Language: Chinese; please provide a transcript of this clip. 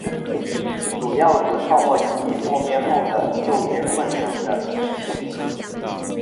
主要指泡沫经济破灭后的就业困难的时期。